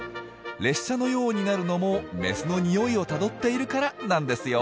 列車のようになるのもメスのニオイをたどっているからなんですよ。